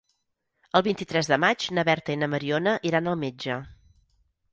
El vint-i-tres de maig na Berta i na Mariona iran al metge.